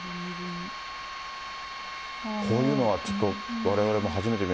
こういうのはちょっと、われわれも初めて見る。